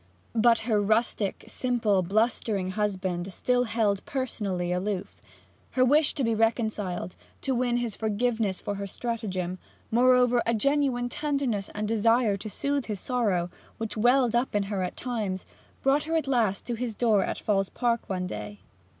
But her rustic, simple, blustering husband still held personally aloof. Her wish to be reconciled to win his forgiveness for her stratagem moreover, a genuine tenderness and desire to soothe his sorrow, which welled up in her at times, brought her at last to his door at Falls Park one day.